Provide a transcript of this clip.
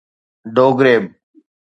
ڊوگريب